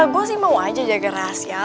gue sih mau aja jaga rahasia